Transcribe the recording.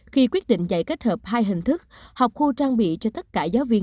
khi quyết định dạy kết hợp hai hình thức học khu trang bị cho tất cả giáo viên